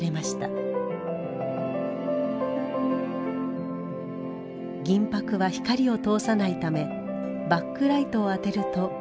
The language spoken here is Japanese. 銀箔は光を通さないためバックライトを当てると影が生じます。